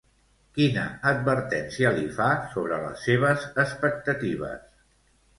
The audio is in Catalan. Quina advertència li fa sobre les seves expectatives?